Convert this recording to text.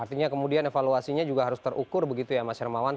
artinya kemudian evaluasinya juga harus terukur begitu ya mas hermawan